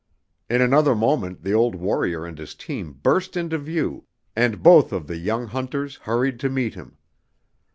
In another moment the old warrior and his team burst into view and both of the young hunters hurried to meet him.